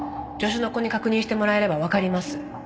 助手の子に確認してもらえればわかります。